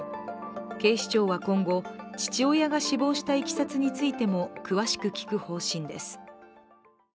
警視庁は今後、父親が死亡したいきさつについても、詳しく聞く方針です。